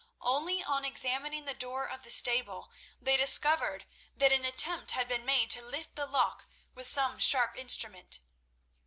Only on examining the door of the stable they discovered that an attempt had been made to lift the lock with some sharp instrument.